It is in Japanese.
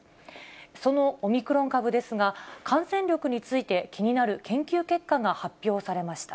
そのオミクロン株ですが、感染力について、気になる研究結果が発表されました。